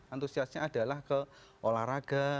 antusiasnya adalah ke olahraga